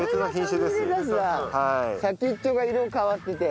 先っちょが色変わってて。